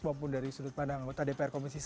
maupun dari sudut pandang anggota dpr komisi satu